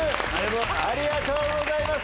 ありがとうございます！